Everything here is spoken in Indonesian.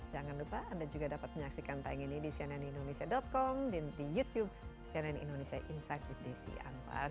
jangan lupa anda juga dapat menyaksikan tayang ini di cnnindonesia com dan di youtube cnn indonesia insight with desi anwar